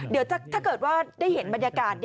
เดี๋ยวถ้าเกิดว่าได้เห็นบรรยากาศ